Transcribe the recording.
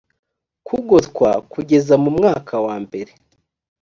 kugotwa kugeza mu mwaka wa mbere